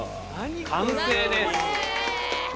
完成です。